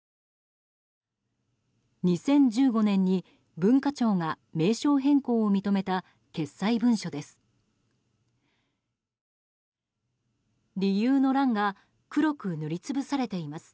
２０１５年に文化庁が名称変更を認めた決裁文書です。